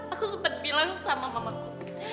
aku sempat bilang sama mamaku